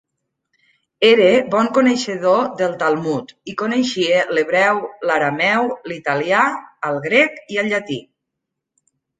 Era bon coneixedor del Talmud i coneixia l'hebreu, l'arameu, l'italià, el grec, i el llatí.